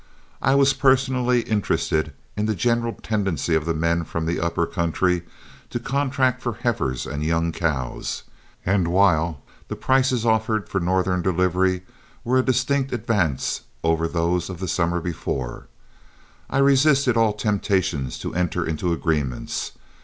I was personally interested in the general tendency of the men from the upper country to contract for heifers and young cows, and while the prices offered for Northern delivery were a distinct advance over those of the summer before, I resisted all temptations to enter into agreements.